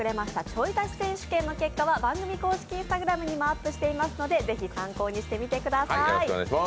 ちょい足し選手権の結果は番組公式Ｉｎｓｔａｇｒａｍにもアップしていますので、ぜひ参考にしてみてください。